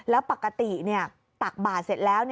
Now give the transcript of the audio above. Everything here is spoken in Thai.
แล้วปกติตักบาทเสร็จแล้ว